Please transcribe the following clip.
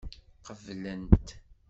Qeblent.